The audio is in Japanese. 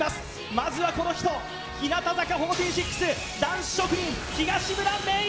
まずはこの人日向坂４６ダンス職人東村芽依